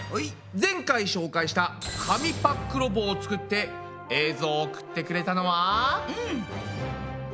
前回紹介した紙パックロボを作って映像を送ってくれたのは。